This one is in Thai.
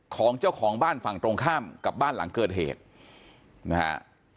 ของเจ้าของบ้านฝั่งตรงข้ามกับบ้านหลังเกิดเหตุนะฮะ